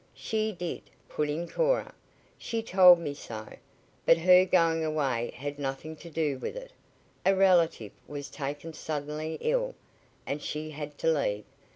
"She did," put in Cora. "She told me so; but her going away had nothing to do with it. A relative was taken suddenly ill, and she had to leave.